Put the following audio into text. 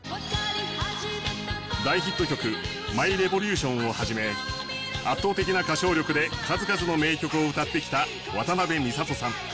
大ヒット曲『ＭｙＲｅｖｏｌｕｔｉｏｎ』を始め圧倒的な歌唱力で数々の名曲を歌ってきた渡辺美里さん。